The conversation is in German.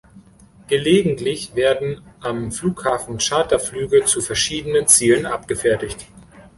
Gelegentlich werden am Flughafen Charterflüge zu verschiedenen Zielen abgefertigt.